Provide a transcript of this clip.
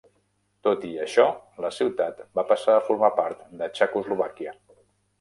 Tot i això, la ciutat va passar a formar part de Txecoslovàquia.